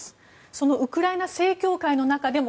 そのウクライナ正教会の中でも